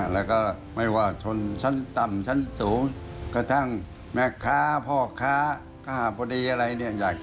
และสามัคคี